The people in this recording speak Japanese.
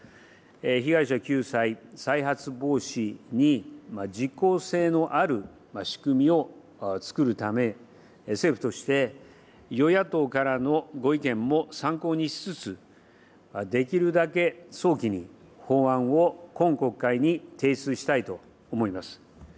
被害者救済・再発防止に実効性のある仕組みを作るため、政府として与野党からのご意見も参考にしつつ、できるだけ早期に、法案を今国会に提出したいと思います。